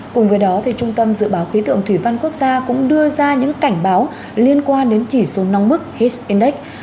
cùng với đó trung tâm dự báo khí tượng thủy văn quốc gia cũng đưa ra những cảnh báo liên quan đến chỉ số nóng mức hit index